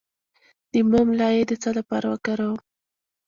د موم لایی د څه لپاره وکاروم؟